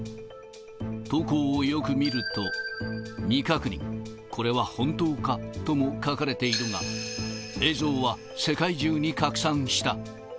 投稿をよく見ると、未確認、これは本当か？とも書かれているが、映像は世界中に拡散した。